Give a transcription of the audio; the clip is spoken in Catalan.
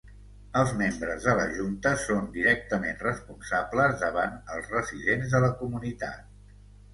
Els membres de la junta són directament responsables davant els residents de la comunitat.